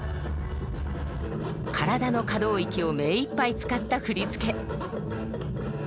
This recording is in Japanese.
体の可動域を目いっぱい使った振り付け。